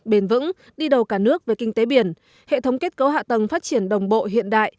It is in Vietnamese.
bền vững đi đầu cả nước về kinh tế biển hệ thống kết cấu hạ tầng phát triển đồng bộ hiện đại